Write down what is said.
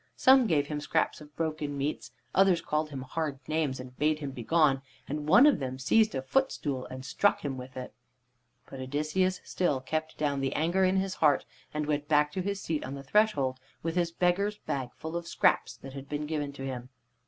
Some gave him scraps of broken meats, others called him hard names and bade him begone, and one of them seized a footstool and struck him with it. But Odysseus still kept down the anger in his heart, and went back to his seat on the threshold with his beggar's bag full of the scraps that had been given to him.